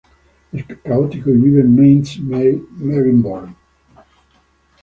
Es católico y vive en Mainz-Marienborn.